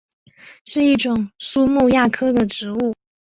是一种苏木亚科的植物。